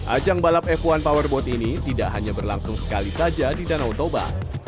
ajang balap f satu powerboat ini tidak hanya berlangsung sekali saja di danau toba